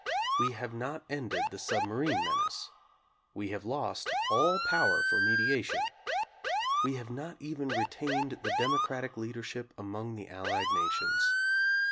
We have not ended the submarine menace. We have lost all power for mediation. We have not even retained the democratic leadership among the Allied nations.